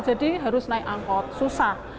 jadi harus naik angkot susah